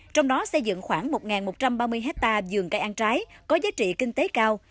trong đó xây dựng khoảng một một trăm ba mươi hectare dường cây ăn trái có giá trị kinh tế cao